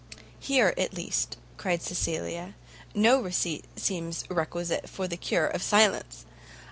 "Here, at least," cried Cecilia, "no receipt seems requisite for the cure of silence!